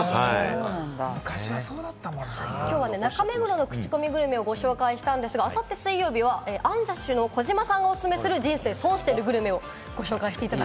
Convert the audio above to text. きょうは中目黒のクチコミグルメをご紹介したんですが、あさって水曜日はアンジャッシュの児嶋さんがおすすめする人生損してるグルメをご紹介していただ